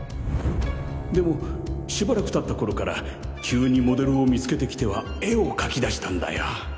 でもしばらく経った頃から急にモデルを見つけてきては絵を描きだしたんだよ。